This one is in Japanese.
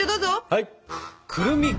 はい！